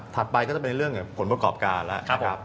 ไปก็จะเป็นเรื่องผลประกอบการแล้ว